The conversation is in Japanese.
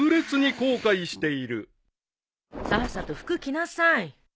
さっさと服着なさい。